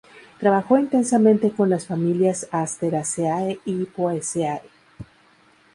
Trabajó intensamente con las familias Asteraceae, y Poaceae.